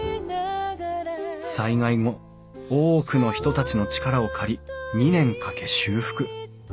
災害後多くの人たちの力を借り２年かけ修復。